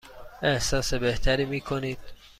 احساس بهتری می کنید؟